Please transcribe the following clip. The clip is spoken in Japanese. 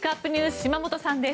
島本さんです。